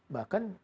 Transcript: bahkan tidak kalah